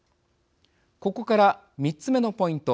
ここから３つ目のポイント